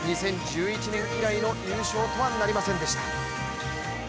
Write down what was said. ２０１１年以来の優勝とはなりませんでした。